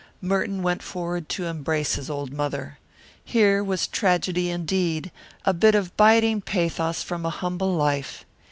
Merton went forward to embrace his old mother. Here was tragedy indeed, a bit of biting pathos from a humble life.